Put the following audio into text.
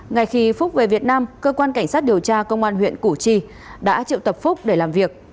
ngày khi phúc về việt nam cơ quan cảnh sát điều tra công an huyện củ chi đã triệu tập phúc để làm việc